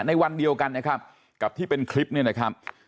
ในวันเดียวกันนะครับกับที่เป็นคลิปเนี่ยนะครับ